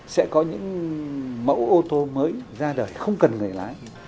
sẽ có những mẫu ô tô mới ra đời không cần người lái